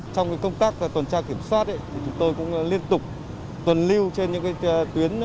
trong công tác tuần tra kiểm soát chúng tôi cũng liên tục tuần lưu trên những tuyến